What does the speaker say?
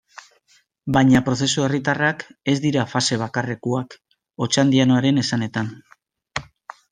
Baina prozesu herritarrak ez dira fase bakarrekoak, Otxandianoren esanetan.